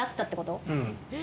うん。